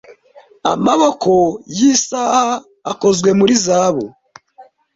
Amaboko yisaha akozwe muri zahabu.